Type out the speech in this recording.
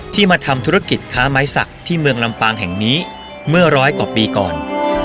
มาทำธุรกิจค้าไม้สักที่เมืองลำปางแห่งนี้เมื่อร้อยกว่าปีก่อน